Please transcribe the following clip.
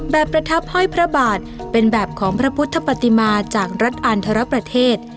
ประทับห้อยพระบาทเป็นแบบของพระพุทธปฏิมาจากรัฐอันทรประเทศ